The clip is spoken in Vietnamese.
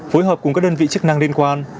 phối hợp cùng các đơn vị chức năng liên quan